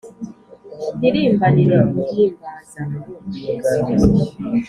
mpirimbanire muhimbaza